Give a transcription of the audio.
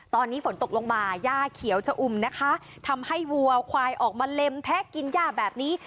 ตอนนี้ฝนตกลงมาย่าเขียวชะอุ่มนะคะทำให้วัวควายออกมาเล็มแทะกินย่าแบบนี้